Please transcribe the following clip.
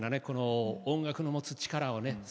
この音楽の持つ力をね